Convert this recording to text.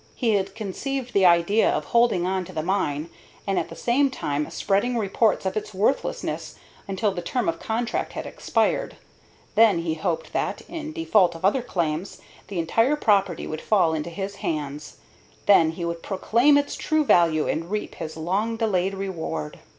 He had conceived the idea of holding on to the mine, and at the same time spreading reports of its worthlessness until the term of contract had expired, when he hoped that, in default of other claims, the entire property would fall into his hands. Then he would proclaim its true value and reap his long delayed reward.